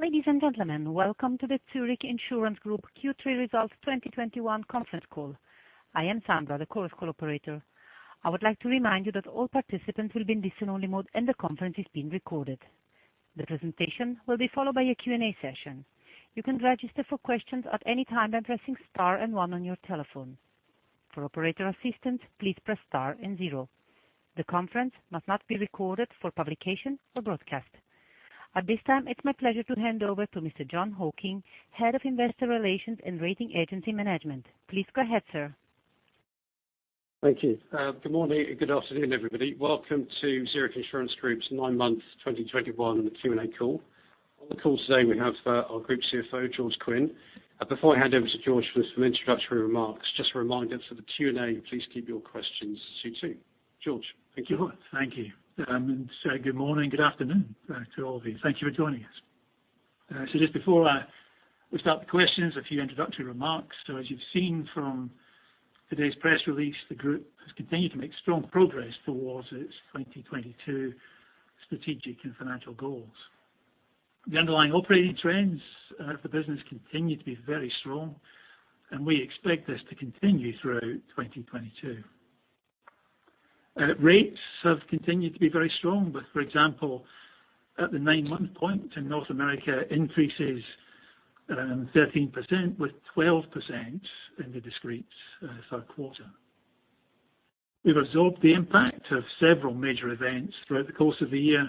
Ladies and gentlemen, welcome to the Zurich Insurance Group Q3 2021 Results Conference Call. I am Sandra, the conference call operator. I would like to remind you that all participants will be in listen only mode, and the conference is being recorded. The presentation will be followed by a Q&A session. You can register for questions at any time by pressing star and one on your telephone. For operator assistance, please press star and zero. The conference must not be recorded for publication or broadcast. At this time, it's my pleasure to hand over to Mr. Jon Hocking, Head of Investor Relations and Rating Agency Management. Please go ahead, sir. Thank you. Good morning and good afternoon, everybody. Welcome to Zurich Insurance Group's Nine-Month 2021 Q&A Call. On the call today we have our Group CFO, George Quinn. Before I hand over to George for some introductory remarks, just a reminder to the Q&A, please keep your questions succinct. George, thank you. Thank you. Good morning, good afternoon, to all of you. Thank you for joining us. Just before we start the questions, a few introductory remarks. As you've seen from today's press release, the group has continued to make strong progress towards its 2022 strategic and financial goals. The underlying operating trends for the business continue to be very strong, and we expect this to continue through 2022. Rates have continued to be very strong, with, for example, at the nine-month point in North America, increases 13% with 12% in the discrete third quarter. We've absorbed the impact of several major events throughout the course of the year,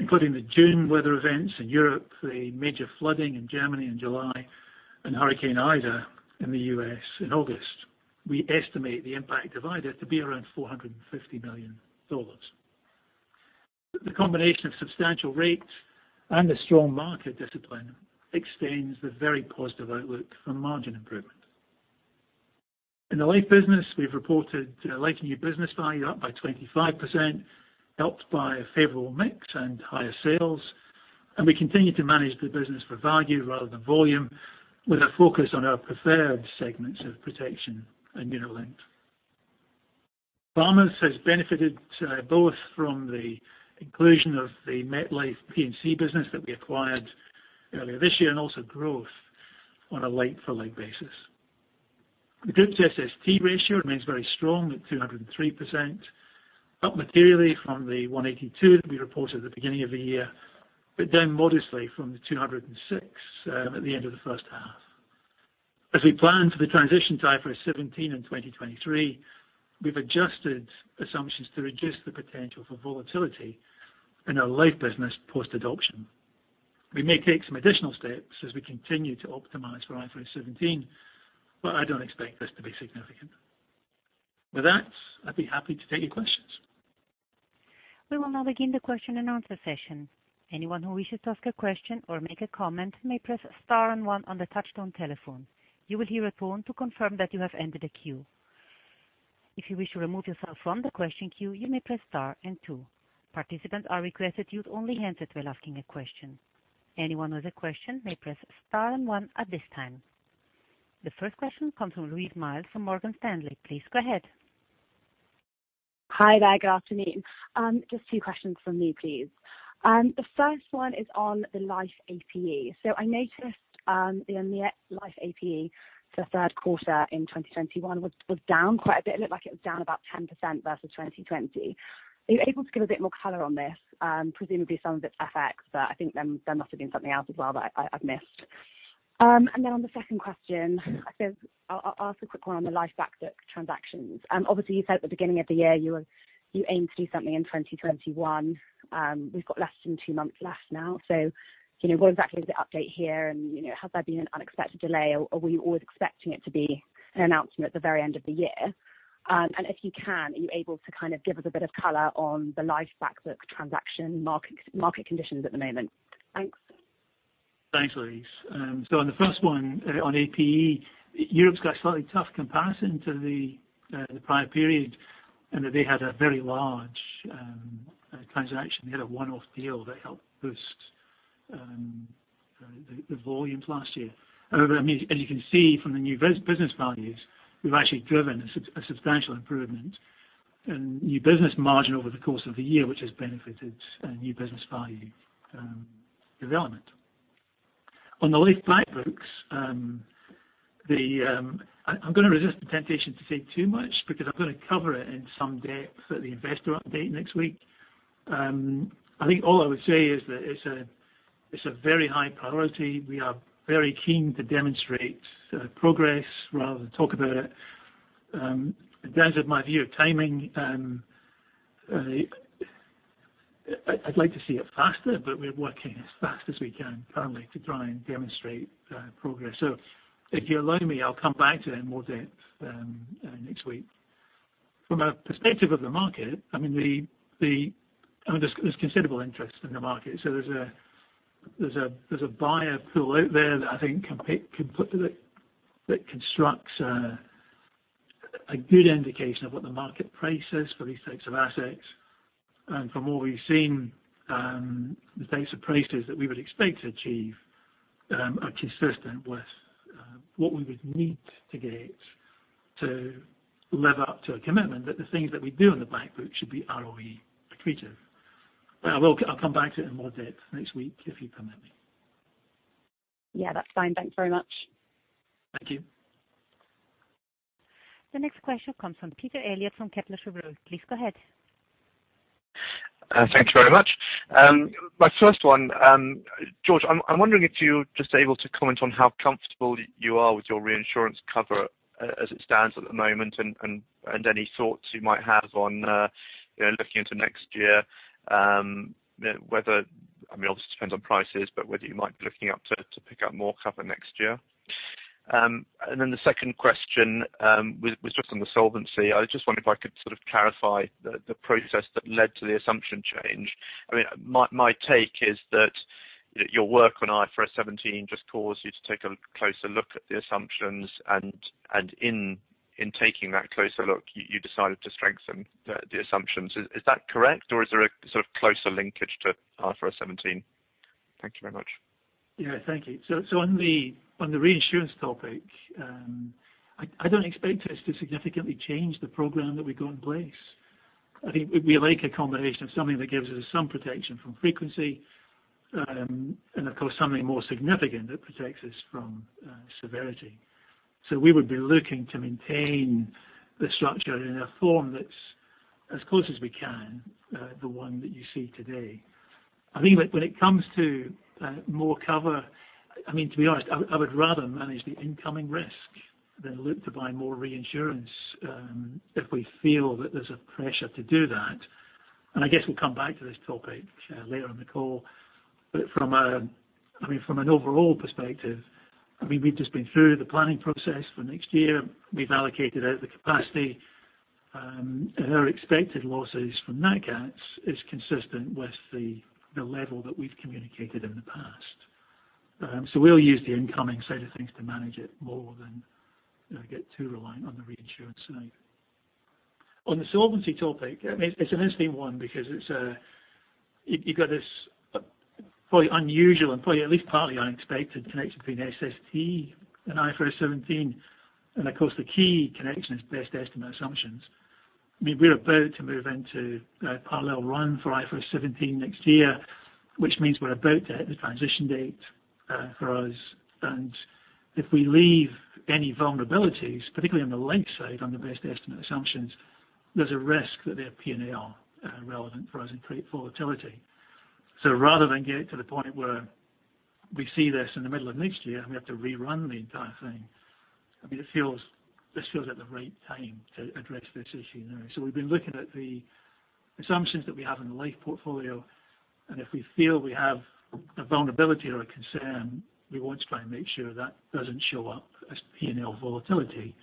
including the June weather events in Europe, the major flooding in Germany in July, and Hurricane Ida in the U.S. in August. We estimate the impact of Hurricane Ida to be around $450 million. The combination of substantial rates and the strong market discipline extends the very positive outlook for margin improvement. In the life business, we've reported life and new business value up by 25%, helped by a favorable mix and higher sales, and we continue to manage the business for value rather than volume, with a focus on our preferred segments of protection and unit linked. Farmers has benefited both from the inclusion of the MetLife P&C business that we acquired earlier this year and also growth on a like for like basis. The group's SST ratio remains very strong at 203%, up materially from the 182% that we reported at the beginning of the year, but down modestly from the 206% at the end of the first half. As we plan for the transition to IFRS 17 in 2023, we've adjusted assumptions to reduce the potential for volatility in our life business post-adoption. We may take some additional steps as we continue to optimize for IFRS 17, but I don't expect this to be significant. With that, I'd be happy to take your questions. We will now begin the question and answer session. Anyone who wishes to ask a question or make a comment may press star and one on the touchtone telephone. You will hear a tone to confirm that you have entered a queue. If you wish to remove yourself from the question queue, you may press star and two. Participants are requested to unmute only handsets while asking a question. Anyone with a question may press star and one at this time. The first question comes from Louise Miles from Morgan Stanley. Please go ahead. Hi there. Good afternoon. Just two questions from me, please. The first one is on the life APE. I noticed the life APE for third quarter in 2021 was down quite a bit. It looked like it was down about 10% versus 2020. Are you able to give a bit more color on this? Presumably some of it's FX, but I think there must have been something else as well that I've missed. On the second question, I guess I'll ask a quick one on the life back book transactions. Obviously you said at the beginning of the year you aim to do something in 2021. We've got less than two months left now. You know, what exactly is the update here? you know, has there been an unexpected delay or were you always expecting it to be an announcement at the very end of the year? If you can, are you able to kind of give us a bit of color on the Life back book transaction market conditions at the moment? Thanks. Thanks, Louise. On the first one, on APE, Europe's got a slightly tough comparison to the prior period, in that they had a very large transaction. They had a one-off deal that helped boost the volumes last year. However, I mean, as you can see from the new business values, we've actually driven a substantial improvement in new business margin over the course of the year, which has benefited new business value development. On the Life back books, I'm gonna resist the temptation to say too much because I'm gonna cover it in some depth at the investor update next week. I think all I would say is that it's a very high priority. We are very keen to demonstrate progress rather than talk about it. In terms of my view of timing, I'd like to see it faster, but we're working as fast as we can currently to try and demonstrate progress. If you allow me, I'll come back to it in more depth next week. From a perspective of the market, I mean, there's considerable interest in the market, so there's a buyer pool out there that I think that constructs a good indication of what the market price is for these types of assets. From what we've seen, the types of prices that we would expect to achieve are consistent with what we would need to get to live up to a commitment that the things that we do in the back book should be ROE accretive. I'll come back to it in more depth next week, if you permit me. Yeah, that's fine. Thanks very much. Thank you. The next question comes from Peter Eliot from Kepler Cheuvreux. Please go ahead. Thank you very much. My first one, George, I'm wondering if you're just able to comment on how comfortable you are with your reinsurance cover as it stands at the moment and any thoughts you might have on, you know, looking into next year, you know, whether I mean, obviously depends on prices, but whether you might be looking to pick up more cover next year. And then the second question was just on the solvency. I just wondered if I could sort of clarify the process that led to the assumption change. I mean, my take is that your work on IFRS 17 just caused you to take a closer look at the assumptions and in taking that closer look, you decided to strengthen the assumptions. Is that correct, or is there a sort of closer linkage to IFRS 17? Thank you very much. Yeah, thank you. On the reinsurance topic, I don't expect us to significantly change the program that we've got in place. I think we like a combination of something that gives us some protection from frequency, and of course, something more significant that protects us from severity. We would be looking to maintain the structure in a form that's as close as we can, the one that you see today. I think when it comes to more cover, I mean, to be honest, I would rather manage the incoming risk than look to buy more reinsurance, if we feel that there's a pressure to do that. I guess we'll come back to this topic later in the call. From a... I mean, from an overall perspective, I mean, we've just been through the planning process for next year. We've allocated out the capacity. Our expected losses from nat cats is consistent with the level that we've communicated in the past. We'll use the incoming side of things to manage it more than, you know, get too reliant on the reinsurance side. On the solvency topic, I mean, it's an interesting one because you've got this quite unusual and probably at least partly unexpected connection between SST and IFRS 17. Of course, the key connection is best estimate assumptions. I mean, we're about to move into a parallel run for IFRS 17 next year, which means we're about to hit the transition date for us. If we leave any vulnerabilities, particularly on the life side, on the best estimate assumptions, there's a risk that they're P&L relevant for us in pre-volatility. Rather than get to the point where we see this in the middle of next year and we have to rerun the entire thing, I mean, this feels like the right time to address this issue now. We've been looking at the assumptions that we have in the life portfolio, and if we feel we have a vulnerability or a concern, we want to try and make sure that doesn't show up as P&L volatility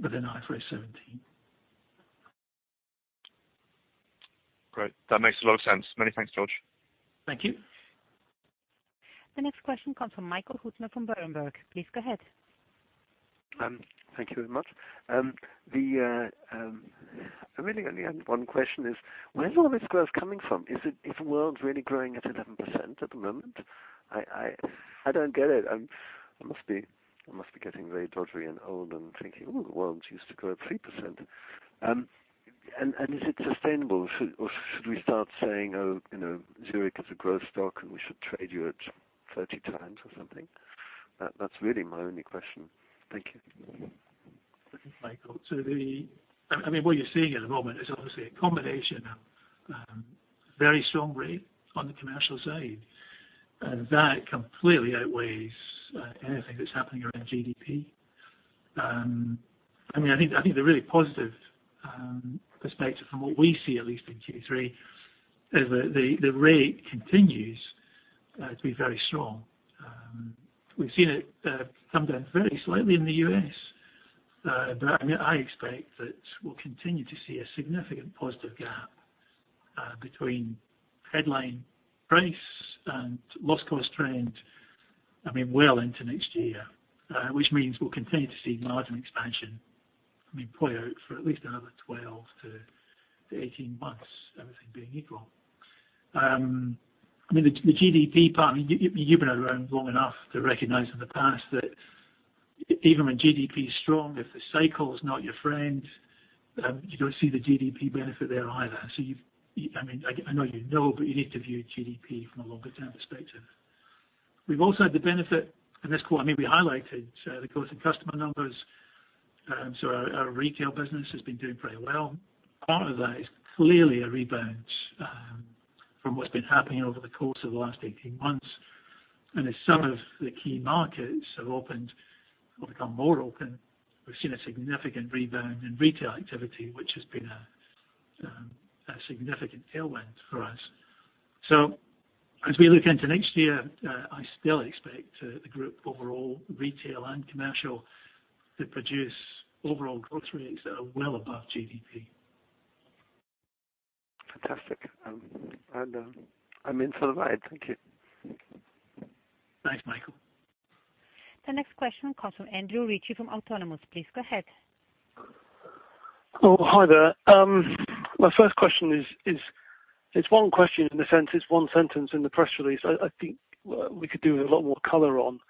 within IFRS 17. Great. That makes a lot of sense. Many thanks, George. Thank you. The next question comes from Michael Huttner from Berenberg. Please go ahead. Thank you very much. The, I really only have one question is, where is all this growth coming from? Is the world really growing at 11% at the moment? I don't get it. I must be getting very doddery and old and thinking, ooh, the world used to grow at 3%. Is it sustainable? Or should we start saying, oh, you know, Zurich is a growth stock and we should trade you at 30x or something? That's really my only question. Thank you. Michael, I mean, what you're seeing at the moment is obviously a combination of very strong rate on the commercial side, and that completely outweighs anything that's happening around GDP. I mean, I think the really positive perspective from what we see, at least in Q3, is the rate continues to be very strong. We've seen it come down very slightly in the U.S. I mean, I expect that we'll continue to see a significant positive gap between headline price and loss cost trend, I mean, well into next year, which means we'll continue to see margin expansion, I mean, play out for at least another 12-18 months, everything being equal. I mean, the GDP part. I mean, you've been around long enough to recognize in the past that even when GDP is strong, if the cycle is not your friend, you don't see the GDP benefit there either. So I mean, I know you know, but you need to view GDP from a longer term perspective. We've also had the benefit in this quarter. I mean, we highlighted the growth in customer numbers. So our retail business has been doing pretty well. Part of that is clearly a rebound from what's been happening over the course of the last 18 months. As some of the key markets have opened or become more open, we've seen a significant rebound in retail activity, which has been a significant tailwind for us. As we look into next year, I still expect the group overall, retail and commercial, to produce overall growth rates that are well above GDP. Fantastic. I'm in for the ride. Thank you. Thanks, Michael. The next question comes from Andrew Ritchie from Autonomous. Please go ahead. Oh, hi there. My first question is, it's one question in the sense it's one sentence in the press release I think we could do with a lot more color on.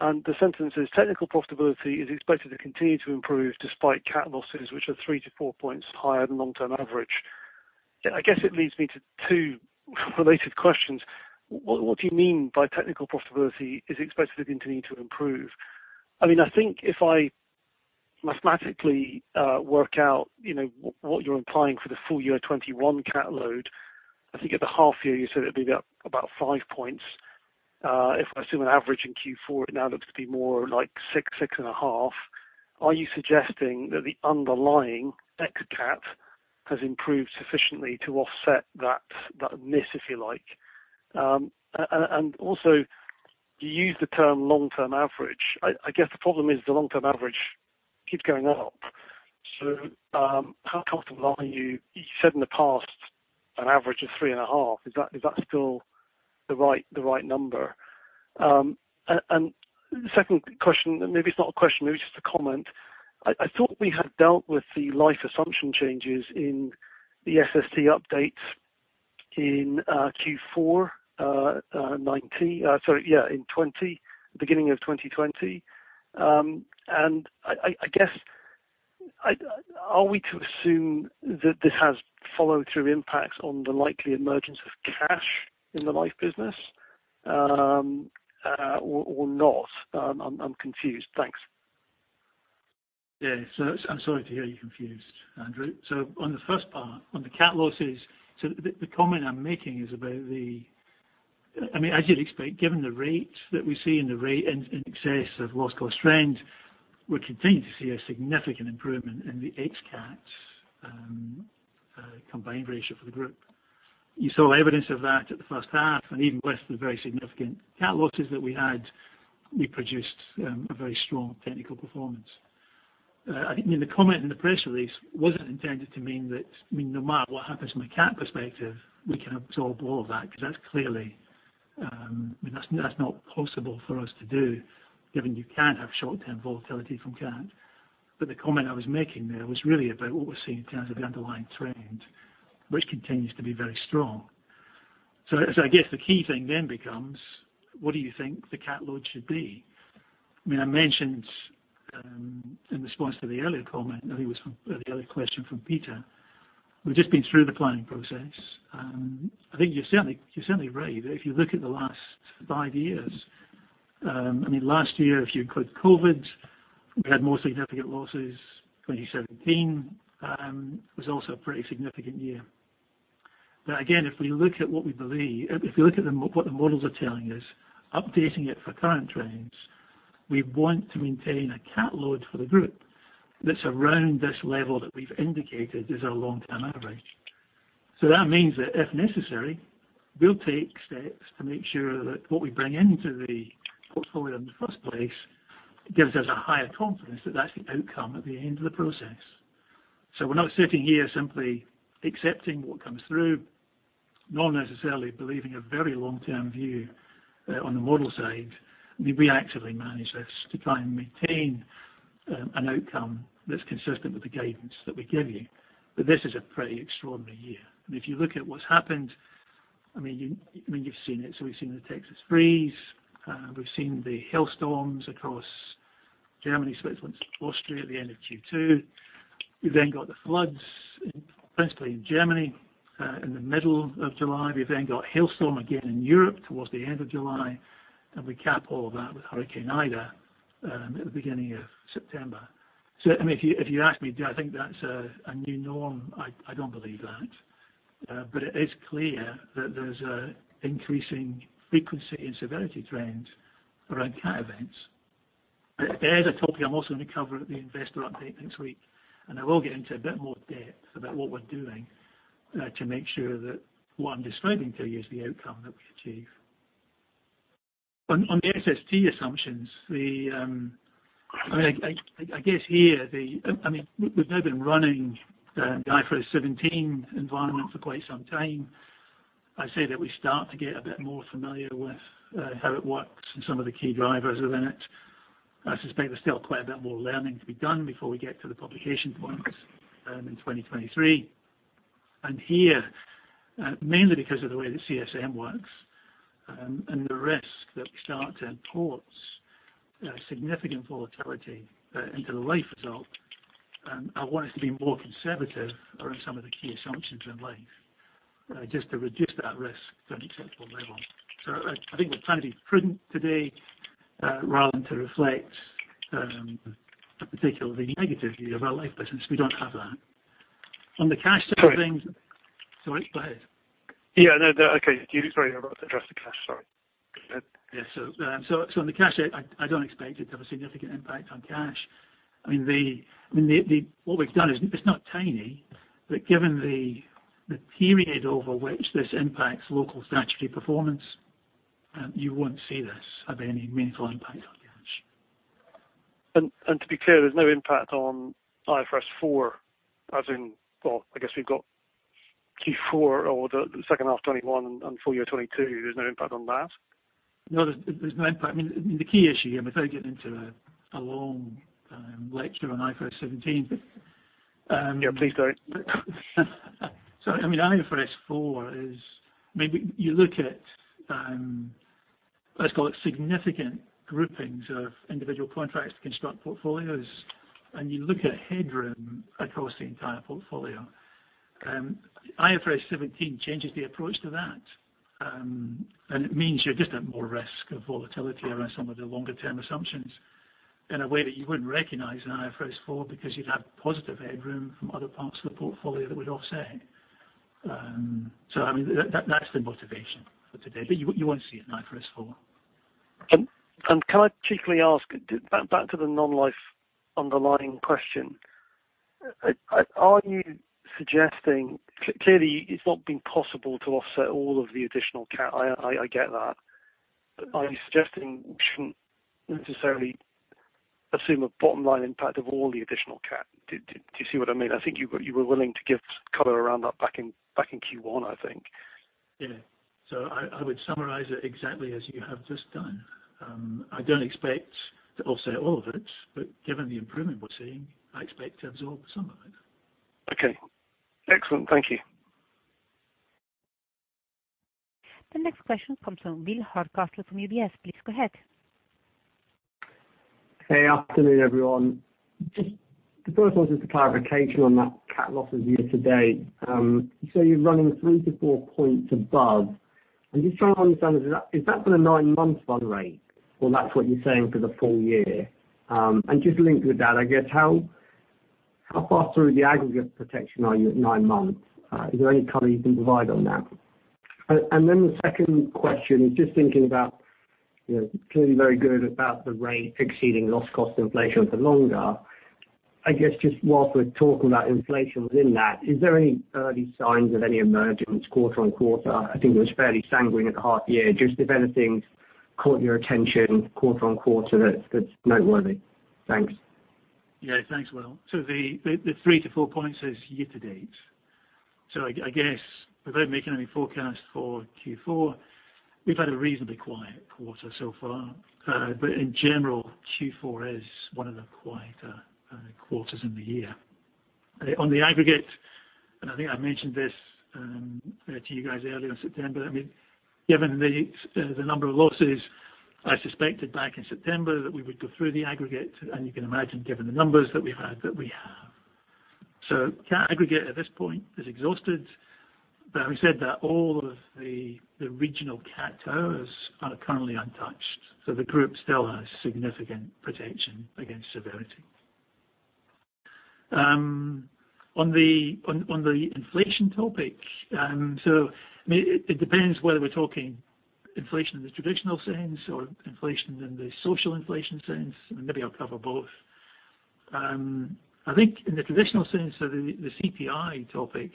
The sentence is technical profitability is expected to continue to improve despite cat losses, which are three to four points higher than long-term average. Yeah, I guess it leads me to two related questions. What do you mean by technical profitability is expected to continue to improve? I mean, I think if I mathematically work out, you know, what you're implying for the full year 2021 cat load. I think at the half year you said it'd be up about five points. If I assume an average in Q4, it now looks to be more like six-6.5. Are you suggesting that the underlying excess CAT has improved sufficiently to offset that miss, if you like? Also you use the term long-term average. I guess the problem is the long-term average keeps going up. How comfortable are you? You said in the past an average of 3.5. Is that still the right number? Second question, maybe it's not a question, maybe just a comment. I thought we had dealt with the life assumption changes in the SST updates in Q4 2019. Sorry. Yeah, in 2020. Beginning of 2020. I guess. Are we to assume that this has follow through impacts on the likely emergence of cash in the life business, or not? I'm confused. Thanks. I'm sorry to hear you're confused, Andrew. On the first part, on the CAT losses. The comment I'm making is about the I mean, as you'd expect, given the rate that we see and the rate in excess of loss cost trend, we're continuing to see a significant improvement in the X CAT combined ratio for the group. You saw evidence of that at the first half and even with the very significant cat losses that we had, we produced a very strong technical performance. I think, I mean, the comment in the press release wasn't intended to mean that, I mean, no matter what happens from a CAT perspective, we can absorb all of that, 'cause that's clearly, I mean, that's not possible for us to do given you can have short-term volatility from CAT. The comment I was making there was really about what we're seeing in terms of the underlying trend, which continues to be very strong. As I guess the key thing then becomes what do you think the CAT load should be? I mean, I mentioned in response to the earlier comment, I think it was from the earlier question from Peter. We've just been through the planning process. I think you're certainly right. If you look at the last five years, I mean, last year, if you include COVID, we had more significant losses. 2017 was also a pretty significant year. Again, if we look at what we believe. If we look at what the models are telling us, updating it for current trends, we want to maintain a cat load for the group that's around this level that we've indicated is our long-term average. That means that if necessary, we'll take steps to make sure that what we bring into the portfolio in the first place gives us a higher confidence that that's the outcome at the end of the process. We're not sitting here simply accepting what comes through, not necessarily believing a very long-term view on the model side. I mean, we actively manage this to try and maintain an outcome that's consistent with the guidance that we give you. This is a pretty extraordinary year. I mean, if you look at what's happened, I mean, you've seen it. We've seen the Texas Freeze. We've seen the hailstorms across Germany, Switzerland, Austria at the end of Q2. We've then got the floods, principally in Germany, in the middle of July. We've then got hailstorm again in Europe towards the end of July, and we cap all of that with Hurricane Ida at the beginning of September. I mean, if you ask me, do I think that's a new norm? I don't believe that. It is clear that there's an increasing frequency and severity trend around cat events. It is a topic I'm also going to cover at the investor update next week, and I will get into a bit more depth about what we're doing to make sure that what I'm describing to you is the outcome that we achieve on the SST assumptions. I mean, we've now been running the IFRS 17 environment for quite some time. I'd say that we start to get a bit more familiar with how it works and some of the key drivers within it. I suspect there's still quite a bit more learning to be done before we get to the publication points in 2023. Here, mainly because of the way that CSM works, and the risk that we start to import significant volatility into the life result, I want us to be more conservative around some of the key assumptions in life just to reduce that risk to an acceptable level. I think we're trying to be prudent today rather than to reflect a particularly negative view of our life business. We don't have that. On the cash side of things. Sorry. Sorry, go ahead. Yeah, no. Okay. Sorry, I was about to address the cash. Sorry. On the cash, I don't expect it to have a significant impact on cash. I mean, what we've done is, it's not tiny, but given the period over which this impacts local statutory performance, you won't see this have any meaningful impact on cash. To be clear, there's no impact on IFRS 4. Well, I guess we've got Q4 or the second half 2021 and full year 2022. There's no impact on that? No, there's no impact. I mean, the key issue here, without getting into a long lecture on IFRS 17. Yeah, please don't. I mean, IFRS 4 is. Maybe you look at, let's call it significant groupings of individual contracts to construct portfolios, and you look at headroom across the entire portfolio. IFRS 17 changes the approach to that. It means you're just at more risk of volatility around some of the longer term assumptions in a way that you wouldn't recognize in IFRS 4, because you'd have positive headroom from other parts of the portfolio that would offset. I mean, that's the motivation for today. You won't see it in IFRS 4. Can I cheekily ask, back to the non-life underwriting question? Are you suggesting? Clearly it's not been possible to offset all of the additional CAT. I get that, but are you suggesting we shouldn't necessarily assume a bottom line impact of all the additional CAT? Do you see what I mean? I think you were willing to give color around that back in Q1, I think. Yeah. I would summarize it exactly as you have just done. I don't expect to offset all of it, but given the improvement we're seeing, I expect to absorb some of it. Okay. Excellent. Thank you. The next question comes from Will Hardcastle from UBS. Please go ahead. Good afternoon, everyone. Just the first one is just a clarification on that CAT losses year to date. So you're running three to four points above. I'm just trying to understand, is that for the nine months run rate, or that's what you're saying for the full year? Just linked with that, I guess how far through the aggregate protection are you at nine months? Is there any color you can provide on that? Then the second question, just thinking about, you know, clearly very good about the rate exceeding loss cost inflation for longer. I guess just whilst we're talking about inflation within that, is there any early signs of any emergence quarter-over-quarter? I think it was fairly sanguine at the half year. Just if anything's caught your attention quarter-over-quarter that's noteworthy. Thanks. Yeah, thanks, Will. The three to four points is year to date. I guess without making any forecast for Q4, we've had a reasonably quiet quarter so far. In general, Q4 is one of the quieter quarters in the year. On the aggregate, I think I mentioned this to you guys earlier in September. I mean, given the number of losses, I suspected back in September that we would go through the aggregate. You can imagine, given the numbers that we've had, that we have. CAT aggregate at this point is exhausted. Having said that, all of the regional CAT towers are currently untouched. The group still has significant protection against severity. On the inflation topic. It depends whether we're talking inflation in the traditional sense or inflation in the social inflation sense. Maybe I'll cover both. I think in the traditional sense of the CPI topic,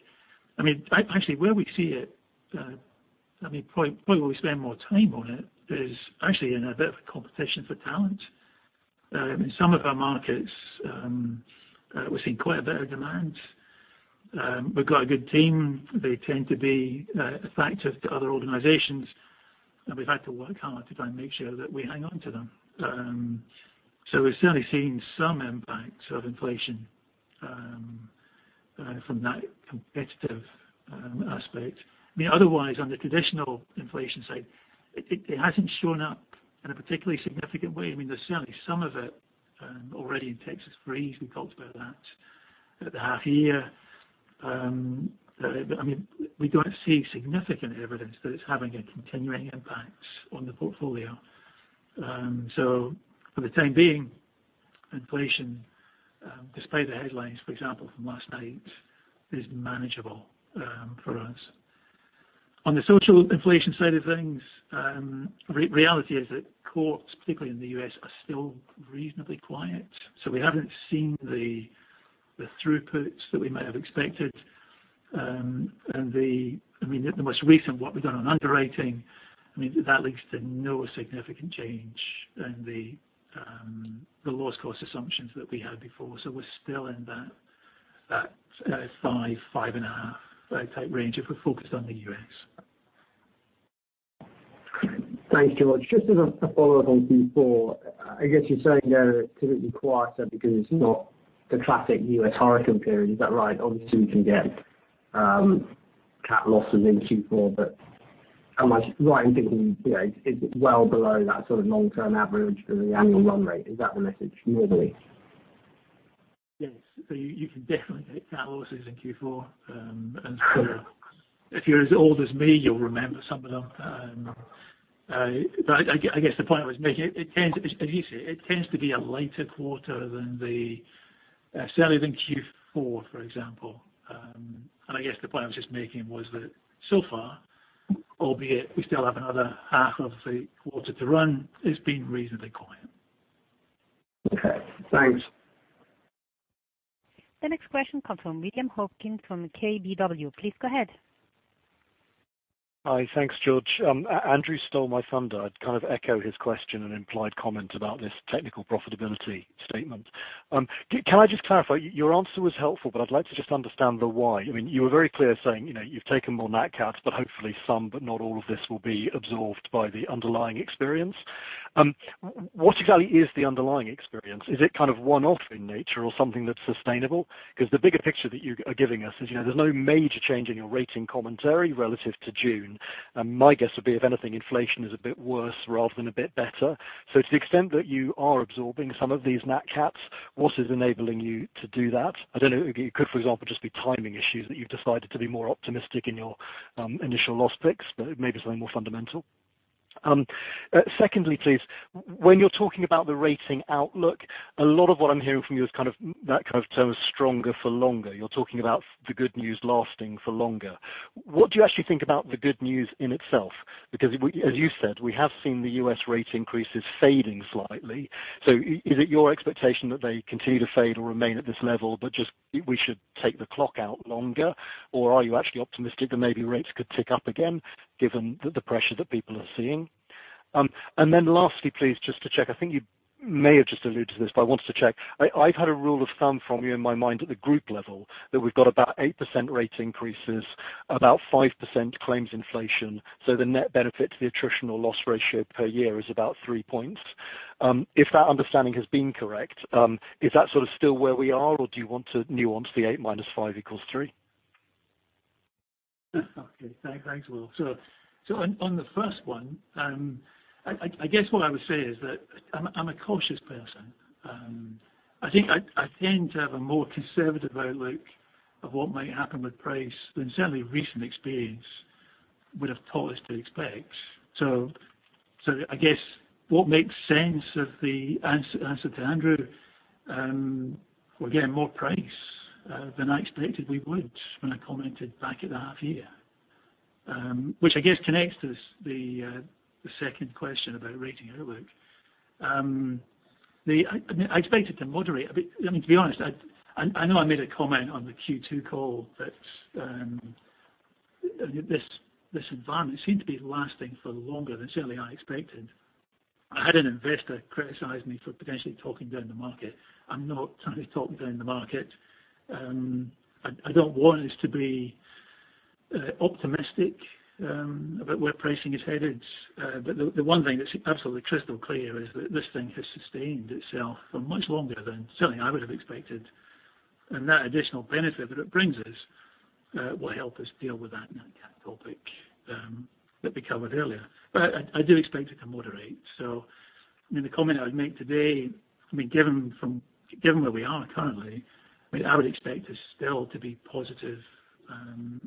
I mean, actually where we see it, I mean, point where we spend more time on it is actually in a bit of a competition for talent. In some of our markets, we're seeing quite a bit of demand. We've got a good team. They tend to be attractive to other organizations. We've had to work hard to try and make sure that we hang on to them. We've certainly seen some impacts of inflation from that competitive aspect. I mean, otherwise, on the traditional inflation side, it hasn't shown up in a particularly significant way. I mean, there's certainly some of it already in Texas Freeze. We talked about that at the half year. I mean, we don't see significant evidence that it's having a continuing impact on the portfolio. For the time being, inflation, despite the headlines, for example, from last night, is manageable for us. On the social inflation side of things, reality is that courts, particularly in the U.S., are still reasonably quiet. We haven't seen the throughputs that we might have expected. I mean, the most recent work we've done on underwriting, I mean, that leads to no significant change in the loss cost assumptions that we had before. We're still in that 5%-5.5% type range if we're focused on the U.S. Thanks, George. Just as a follow up on Q4, I guess you're saying they're typically quieter because it's not the classic U.S. hurricane period. Is that right? Obviously, we can get CAT losses in Q4, but how much right? I'm thinking, you know, is it well below that sort of long term average for the annual run rate? Is that the message normally? Yes. You can definitely get CAT losses in Q4. If you're as old as me, you'll remember some of them. I guess the point I was making. As you say, it tends to be a lighter quarter than certainly than Q4, for example. I guess the point I was just making was that so far, albeit we still have another half of the quarter to run, it's been reasonably quiet. Okay. Thanks. The next question comes from William Hawkins from KBW. Please go ahead. Hi. Thanks, George. Andrew stole my thunder. I'd kind of echo his question and implied comment about this technical profitability statement. Can I just clarify, your answer was helpful, but I'd like to just understand the why. I mean, you were very clear saying, you know, you've taken more Nat Cats, but hopefully some, but not all of this will be absorbed by the underlying experience. What exactly is the underlying experience? Is it kind of one-off in nature or something that's sustainable? 'Cause the bigger picture that you are giving us is, you know, there's no major change in your rating commentary relative to June. My guess would be, if anything, inflation is a bit worse rather than a bit better. To the extent that you are absorbing some of these Nat Cats, what is enabling you to do that? I don't know, it could, for example, just be timing issues that you've decided to be more optimistic in your initial loss picks, but it may be something more fundamental. Secondly, please, when you're talking about the rating outlook, a lot of what I'm hearing from you is kind of that kind of term stronger for longer. You're talking about the good news lasting for longer. What do you actually think about the good news in itself? Because as you said, we have seen the U.S. rate increases fading slightly. So is it your expectation that they continue to fade or remain at this level, but just we should take the clock out longer? Or are you actually optimistic that maybe rates could tick up again given the pressure that people are seeing? Lastly, please, just to check, I think you may have just alluded to this, but I wanted to check. I've had a rule of thumb from you in my mind at the group level that we've got about 8% rate increases, about 5% claims inflation, so the net benefit to the attritional loss ratio per year is about 3 points. If that understanding has been correct, is that sort of still where we are, or do you want to nuance the 8-5=3? Thanks, Will. On the first one, I guess what I would say is that I'm a cautious person. I think I tend to have a more conservative outlook of what might happen with price than certainly recent experience would have taught us to expect. I guess what makes sense in the answer to Andrew, we're getting more price than I expected we would when I commented back at the half year. Which I guess connects to the second question about rate outlook. I expect it to moderate. I mean, to be honest, I know I made a comment on the Q2 call that this environment seemed to be lasting for longer than certainly I expected. I had an investor criticize me for potentially talking down the market. I'm not trying to talk down the market. I don't want us to be optimistic about where pricing is headed. The one thing that's absolutely crystal clear is that this thing has sustained itself for much longer than certainly I would have expected. That additional benefit that it brings us will help us deal with that Nat Cat topic that we covered earlier. I do expect it to moderate. I mean, the comment I would make today, I mean, given where we are currently, I mean, I would expect us still to be positive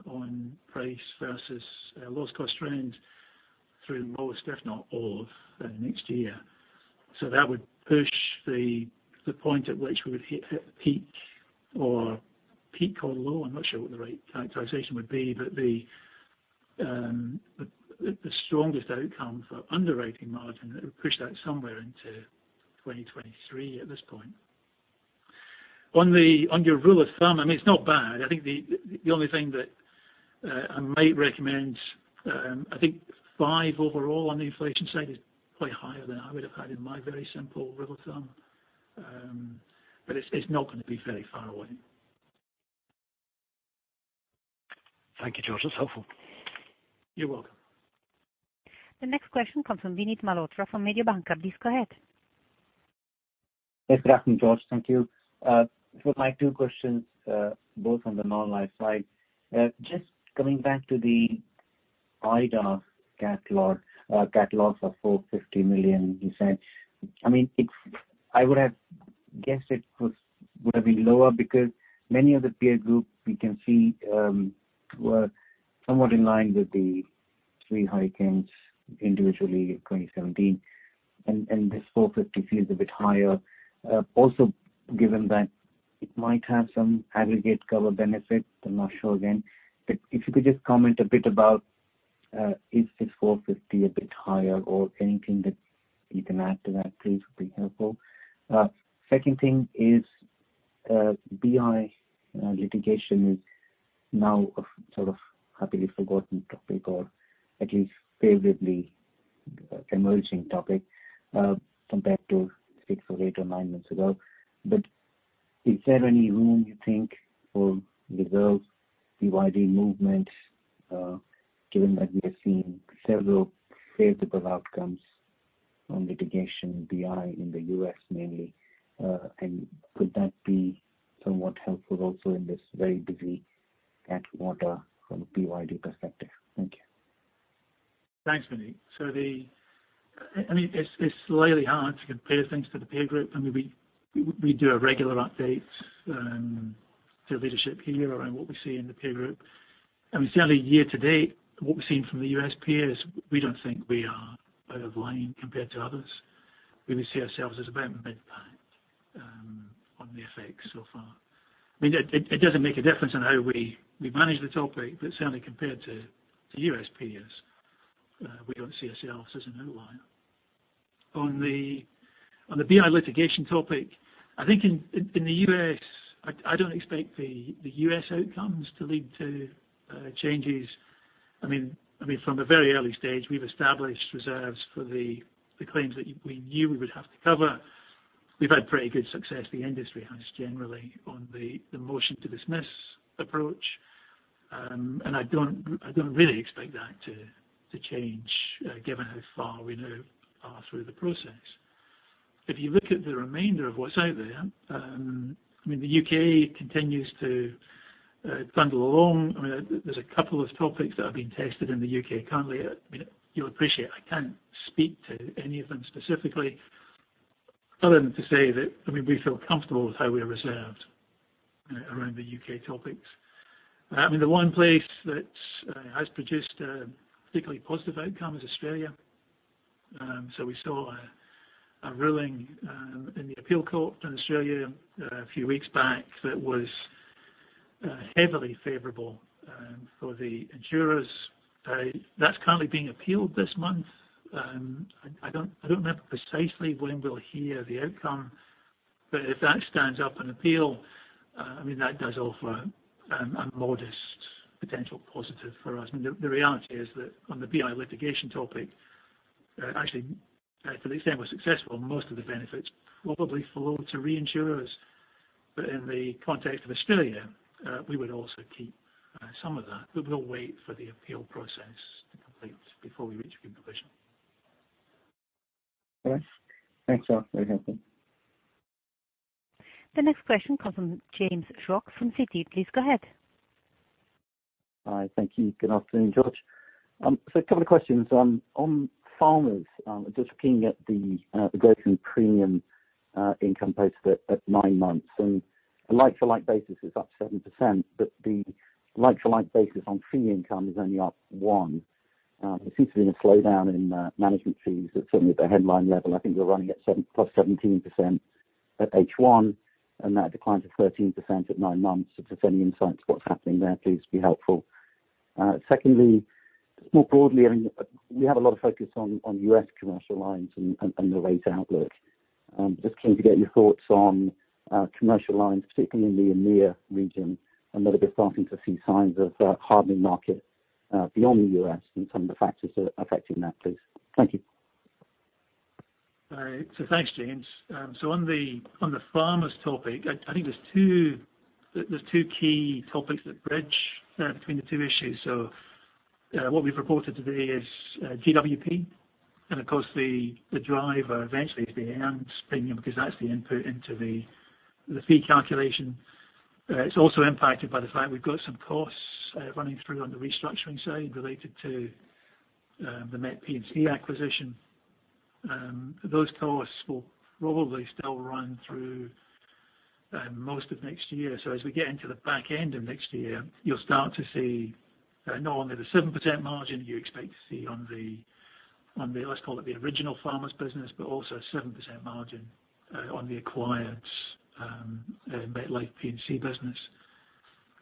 on price versus loss cost trends through most, if not all of next year. That would push the point at which we would hit peak or low. I'm not sure what the right characterization would be, but the strongest outcome for underwriting margin. It would push that somewhere into 2023 at this point. On your rule of thumb, I mean, it's not bad. I think the only thing that I might recommend. I think 5% overall on the inflation side is probably higher than I would have had in my very simple rule of thumb. It's not gonna be very far away. Thank you, George. That's helpful. You're welcome. The next question comes from Vinit Malhotra from Mediobanca. Please go ahead. Yes, good afternoon, George. Thank you. So my two questions, both on the non-life side. Just coming back to the Hurricane Ida CAT loss of $450 million, you said. I mean, I would have guessed it would have been lower because many of the peer group we can see were somewhat in line with the three hurricanes individually in 2017. This $450 million feels a bit higher. Also given that it might have some aggregate cover benefit, I'm not sure again. If you could just comment a bit about, is this $450 million a bit higher or anything that you can add to that, please would be helpful. Second thing is, BI litigation is now a sort of happily forgotten topic or at least favorably emerging topic, compared to six, or eight, or nine months ago. Is there any room you think for reserved PYD movement, given that we have seen several favorable outcomes on litigation BI in the U.S. mainly? Could that be somewhat helpful also in this very busy CAT year from a PYD perspective? Thank you. Thanks, Vinit. It's slightly hard to compare things to the peer group. I mean, we do a regular update to leadership here around what we see in the peer group. I mean, certainly year to date, what we've seen from the U.S. peers, we don't think we are out of line compared to others. We would see ourselves as about midpoint on the effects so far. I mean, it doesn't make a difference on how we manage the topic, but certainly compared to U.S. peers, we don't see ourselves as an outlier. On the BI litigation topic. I think in the U.S., I don't expect the U.S. outcomes to lead to changes. I mean, from a very early stage, we've established reserves for the claims that we knew we would have to cover. We've had pretty good success. The industry has generally on the motion to dismiss approach. I don't really expect that to change, given how far we now are through the process. If you look at the remainder of what's out there, I mean, the U.K. continues to bundle along. I mean, there's a couple of topics that are being tested in the U.K. currently. I mean, you'll appreciate I can't speak to any of them specifically other than to say that, I mean, we feel comfortable with how we are reserved around the U.K. topics. I mean, the one place that has produced a particularly positive outcome is Australia. We saw a ruling in the appeal court in Australia a few weeks back that was heavily favorable for the insurers. That's currently being appealed this month. I don't remember precisely when we'll hear the outcome. If that stands up on appeal, I mean, that does offer a modest potential positive for us. I mean, the reality is that on the BI litigation topic, actually, to the extent we're successful, most of the benefits probably flow to reinsurers. In the context of Australia, we would also keep some of that. We'll wait for the appeal process to complete before we reach re-provision. All right. Thanks a lot for your help then. The next question comes from James Shuck from Citi. Please go ahead. Hi. Thank you. Good afternoon, George. So a couple of questions. On Farmers, just looking at the growth in premium income posted at nine months. A like-for-like basis is up 7%, but the like-for-like basis on fee income is only up 1%. There seems to be a slowdown in management fees certainly at the headline level. I think you're running at 7% plus 17% at H1, and that declines to 13% at nine months. If there's any insight into what's happening there, please be helpful. Secondly, just more broadly, I mean, we have a lot of focus on U.S. commercial lines and the rate outlook. Just keen to get your thoughts on commercial lines, particularly in the EMEA region. Whether we're starting to see signs of hardening market beyond the U.S. and some of the factors that are affecting that, please. Thank you. All right. Thanks, James. On the Farmers topic, I think there are two key topics that bridge between the two issues. What we've reported today is GWP. Of course the driver eventually is the earned premium, because that's the input into the fee calculation. It's also impacted by the fact we've got some costs running through on the restructuring side related to the MetLife P&C acquisition. Those costs will probably still run through most of next year. As we get into the back end of next year, you'll start to see not only the 7% margin you expect to see on the original Farmers business, but also a 7% margin on the acquired MetLife P&C business.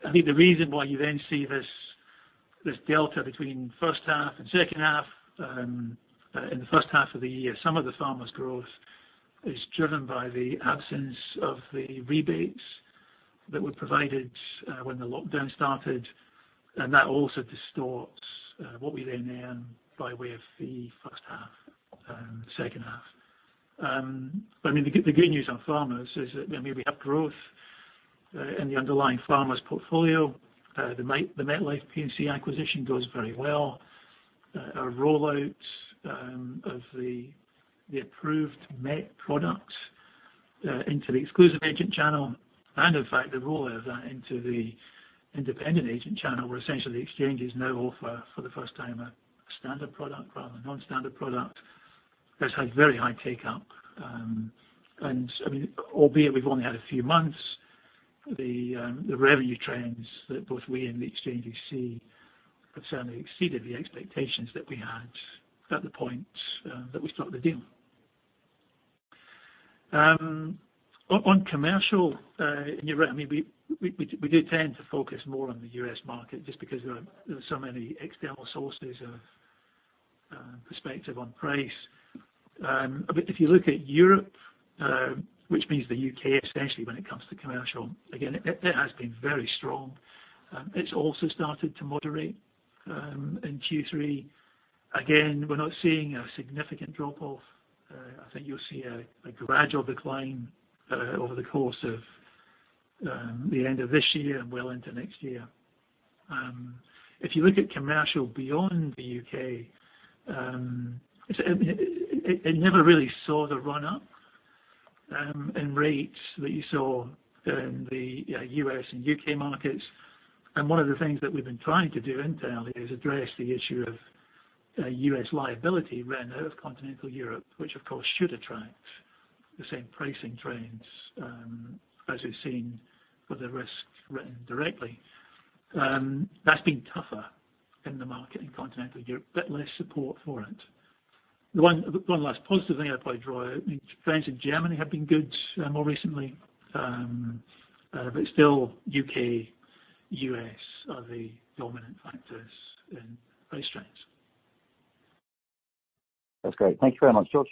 I think the reason why you then see this delta between first half and second half, in the first half of the year, some of the Farmers growth is driven by the absence of the rebates that were provided, when the lockdown started, and that also distorts, what we then earn by way of the first half and second half. I mean, the good news on Farmers is that, I mean, we have growth, in the underlying Farmers portfolio. The MetLife P&C acquisition goes very well. Our rollouts, of the approved Met products, into the exclusive agent channel and in fact the rollout of that into the independent agent channel, where essentially the exchanges now offer for the first time a standard product rather than non-standard product, has had very high take up. I mean, albeit we've only had a few months, the revenue trends that both we and the exchanges see have certainly exceeded the expectations that we had at the point that we struck the deal. On commercial, you're right, I mean, we do tend to focus more on the U.S. market just because there are so many external sources of perspective on price. If you look at Europe, which means the U.K. especially when it comes to commercial, again, it has been very strong. It's also started to moderate in Q3. Again, we're not seeing a significant drop off. I think you'll see a gradual decline over the course of the end of this year and well into next year. If you look at commercial beyond the U.K., so I mean, it never really saw the run up in rates that you saw in the U.S. and U.K. markets. One of the things that we've been trying to do internally is address the issue of U.S. liability written out of continental Europe, which of course should attract the same pricing trends as we've seen for the risks written directly. That's been tougher in the market in continental Europe, a bit less support for it. The one last positive thing I'd probably draw out is, I mean, trends in Germany have been good more recently. It's still U.K., U.S. are the dominant factors in those trends. That's great. Thank you very much. George.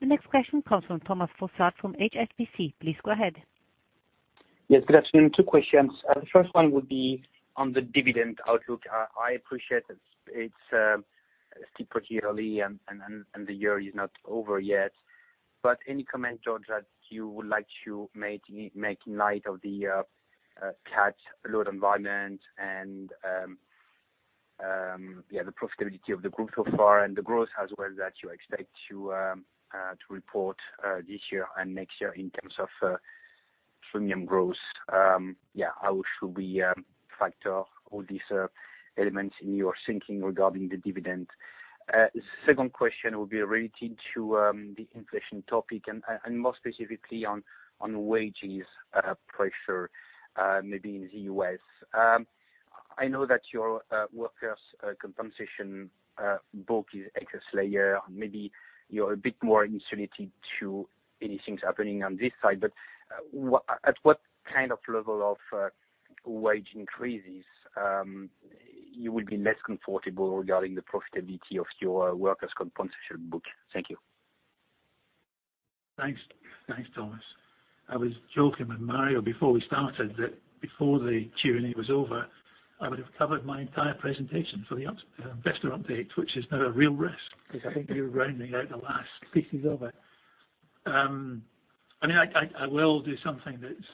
The next question comes from Thomas Fossard from HSBC. Please go ahead. Yes, good afternoon. Two questions. The first one would be on the dividend outlook. I appreciate it's still pretty early and the year is not over yet. Any comment, George, that you would like to make in light of the CAT load environment and yeah, the profitability of the group so far and the growth as well that you expect to report this year and next year in terms of premium growth. Yeah, how should we factor all these elements in your thinking regarding the dividend? Second question will be related to the inflation topic and more specifically on wages pressure maybe in the U.S. I know that your workers' compensation book is excess layer. Maybe you're a bit more insulated to any things happening on this side. At what kind of level of wage increases you would be less comfortable regarding the profitability of your workers' compensation book? Thank you. Thanks. Thanks, Thomas. I was joking with Mario before we started that before the Q&A was over, I would have covered my entire presentation for the investor update, which is now a real risk because I think you're rounding out the last pieces of it. I will do something that's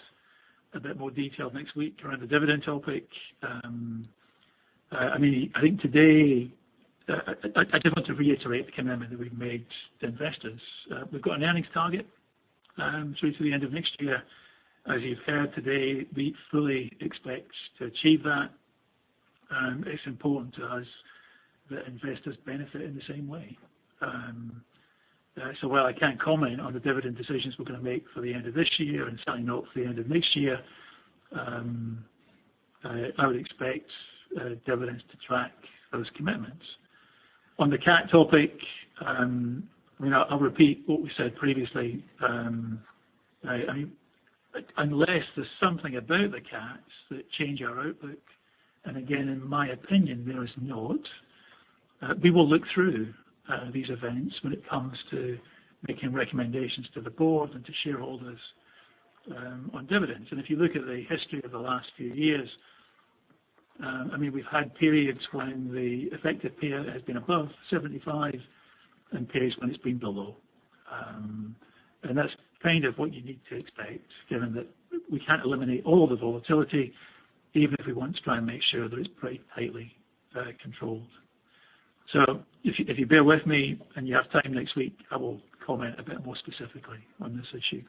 a bit more detailed next week around the dividend topic. I think today I did want to reiterate the commitment that we've made to investors. We've got an earnings target through to the end of next year. As you've heard today, we fully expect to achieve that. It's important to us that investors benefit in the same way. While I can't comment on the dividend decisions we're gonna make for the end of this year and signing off for the end of next year, I would expect dividends to track those commitments. On the CAT topic, I mean, I'll repeat what we said previously. I mean, unless there's something about the CATs that change our outlook, and again, in my opinion, there is not, we will look through these events when it comes to making recommendations to the board and to shareholders on dividends. If you look at the history of the last few years, I mean, we've had periods when the effective payout has been above 75% and periods when it's been below. That's kind of what you need to expect, given that we can't eliminate all the volatility, even if we want to try and make sure that it's pretty tightly controlled. If you bear with me and you have time next week, I will comment a bit more specifically on this issue.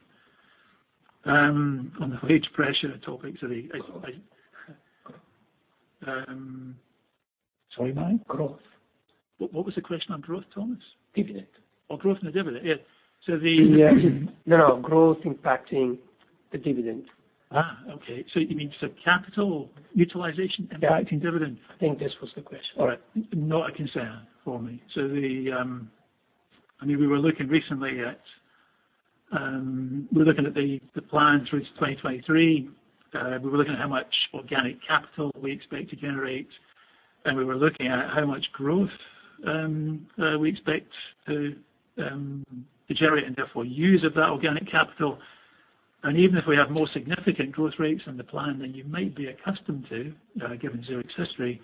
On the wage pressure topics, are there, I..Sorry, mate. Growth.What was the question on growth, Thomas? Dividend. Oh, growth and the dividend. Yeah. Yeah. No, growth impacting the dividend. Okay. You mean, capital utilization. Yeah. Impacting dividend? I think this was the question. All right. Not a concern for me. I mean, we're looking at the plan through to 2023. We were looking at how much organic capital we expect to generate, and we were looking at how much growth we expect to generate and therefore use of that organic capital. Even if we have more significant growth rates in the plan than you might be accustomed to, given Zurich's history,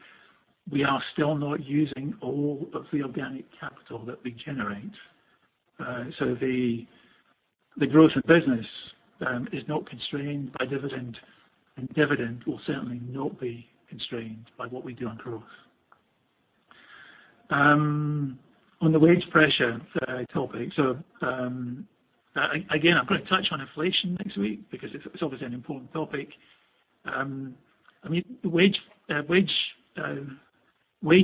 we are still not using all of the organic capital that we generate. The growth in business is not constrained by dividend, and dividend will certainly not be constrained by what we do on growth. On the wage pressure topic. Again, I'm gonna touch on inflation next week because it's obviously an important topic. I mean, wage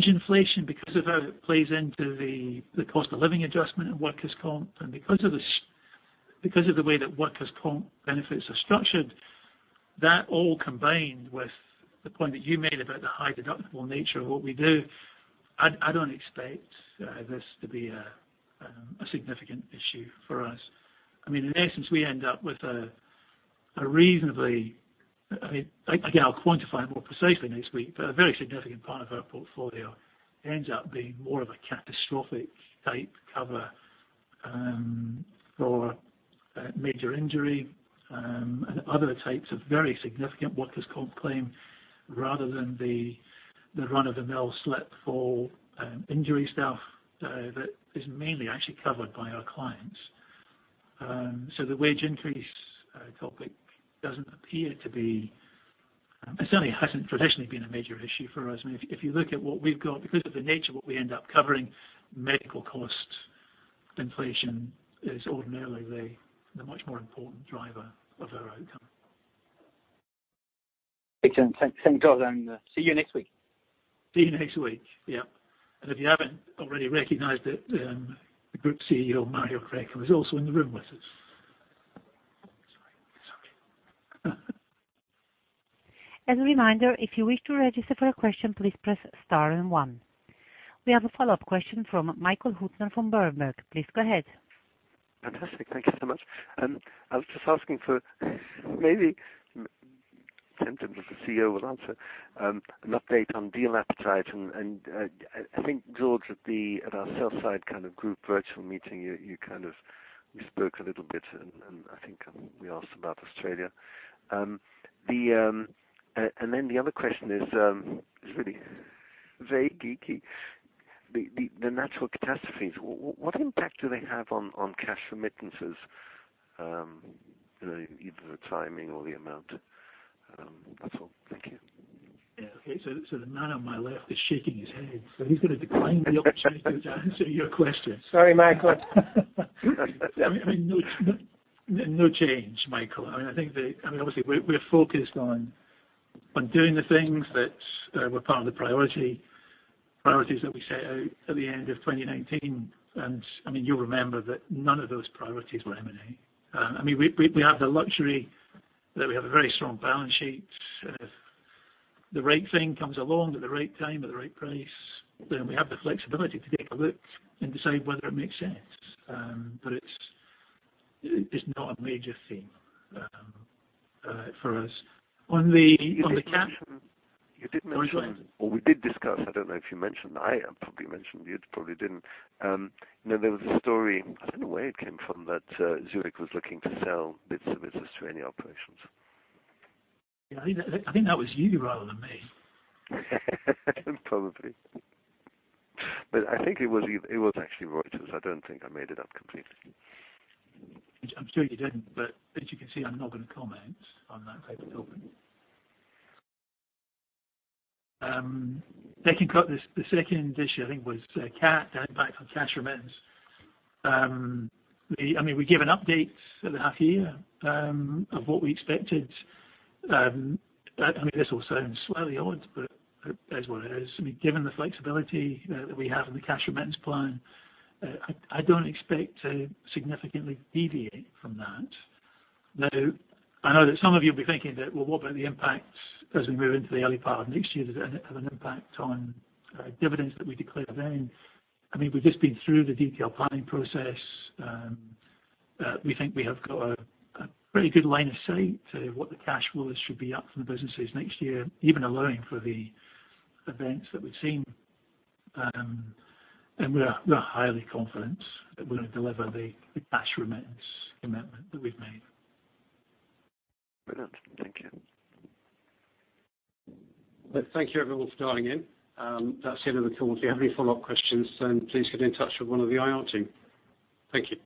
inflation because of how it plays into the cost of living adjustment and workers' comp and because of the way that workers' comp benefits are structured, that all combined with the point that you made about the high deductible nature of what we do, I don't expect this to be a significant issue for us. I mean, in essence, we end up with a reasonably. I mean, again, I'll quantify it more precisely next week, but a very significant part of our portfolio ends up being more of a catastrophic type cover for major injury and other types of very significant workers' comp claim, rather than the run-of-the-mill slip, fall, injury stuff that is mainly actually covered by our clients. The wage increase topic doesn't appear to be, it certainly hasn't traditionally been a major issue for us. I mean, if you look at what we've got, because of the nature of what we end up covering, medical cost inflation is ordinarily the much more important driver of our outcome. Excellent. Thanks a lot, and see you next week. See you next week. Yeah. If you haven't already recognized it, the Group CEO, Mario Greco, is also in the room with us. Sorry. As a reminder, if you wish to register for a question, please press star and one. We have a follow-up question from Michael Huttner from Berenberg. Please go ahead. Fantastic. Thank you so much. I was just asking for maybe in terms of the CEO will answer an update on deal appetite and I think George at our south side kind of group virtual meeting you kind of spoke a little bit and I think we asked about Australia. The other question is it's really very geeky. The natural catastrophes what impact do they have on cash remittances you know either the timing or the amount? That's all. Thank you. Yeah. Okay. The man on my left is shaking his head, so he's gonna decline the opportunity to answer your question. Sorry, Michael. I mean, no change, Michael. I mean, I think I mean, obviously, we're focused on doing the things that were part of the priorities that we set out at the end of 2019. I mean, you'll remember that none of those priorities were M&A. I mean, we have the luxury that we have a very strong balance sheet. If the right thing comes along at the right time, at the right price, then we have the flexibility to take a look and decide whether it makes sense. But it's not a major theme for us. On the cap- You did mention- I'm sorry. We did discuss, I don't know if you mentioned, I probably mentioned, you probably didn't. You know, there was a story, I don't know where it came from, that Zurich was looking to sell bits of business to any operations. Yeah, I think that was you rather than me. Probably. I think it was actually Reuters. I don't think I made it up completely. Which I'm sure you didn't, but as you can see, I'm not gonna comment on that type of rumor. Second part, the second issue, I think, was the impact on cash remittance. I mean, we give an update at the half year of what we expected. I mean, this will sound slightly odd, but it is what it is. I mean, given the flexibility that we have in the cash remittance plan, I don't expect to significantly deviate from that. Now, I know that some of you will be thinking that, "Well, what about the impacts as we move into the early part of next year? Does it have an impact on dividends that we declare then?" I mean, we've just been through the detailed planning process. We think we have got a pretty good line of sight to what the cash flow should be up from the businesses next year, even allowing for the events that we've seen. We're highly confident that we're gonna deliver the cash remittance commitment that we've made. Brilliant. Thank you. Thank you everyone for dialing in. That's the end of the call. If you have any follow-up questions, then please get in touch with one of the IR team. Thank you.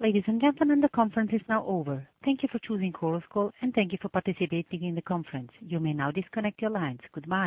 Ladies and gentlemen, the conference is now over. Thank you for choosing Chorus Call, and thank you for participating in the conference. You may now disconnect your lines. Goodbye.